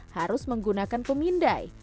harus menggunakan pemindai